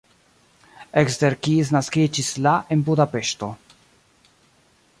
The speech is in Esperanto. Eszter Kiss naskiĝis la en Budapeŝto.